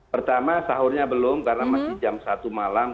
pertama sahurnya belum karena masih jam satu malam